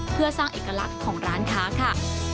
เพื่อสร้างเอกลักษณ์ของร้านค้าค่ะ